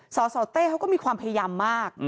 สสเต้เขาก็มีความพยายามมาก